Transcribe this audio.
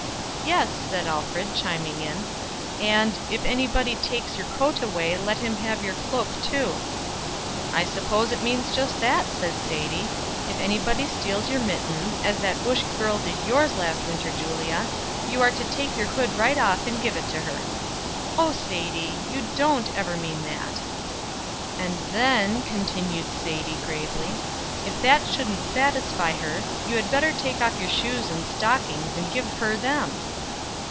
'" "Yes," said Alfred, chiming in, "and, 'If anybody takes your coat away, give him your cloak too.'" "I suppose it means just that," said Sadie. "If anybody steals your mittens, as that Bush girl did yours last winter, Julia, you are to take your hood right off, and give it to her." "Oh, Sadie! you don't ever mean that." "And then," continued Sadie, gravely, "if that shouldn't satisfy her, you had better take off your shoes and stockings, and give her them."